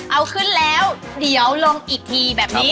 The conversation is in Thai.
เอาขึ้นแล้วเดี๋ยวลงอีกทีแบบนี้